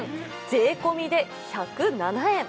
税込みで１０７円。